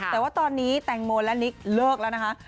แต่ว่าตอนนี้แตงโมและนิกเลิกแล้วนะคะ